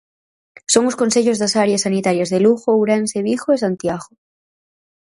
Son os concellos das áreas sanitarias de Lugo, Ourense, Vigo e Santiago.